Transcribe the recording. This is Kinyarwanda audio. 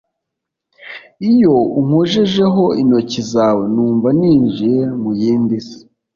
Iyo unkojejeho intoki zawe numva ninjiye mu yindi si